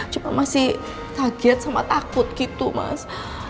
cuma masih kaget sama takut gitu mas